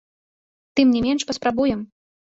Тым не менш, паспрабуем.